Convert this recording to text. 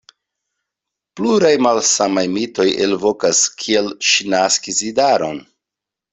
Pluraj malsamaj mitoj elvokas, kiel ŝi naskis idaron.